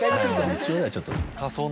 日常ではちょっと。